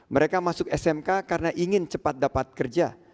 mereka masuk smk karena ingin cepat dapat kerja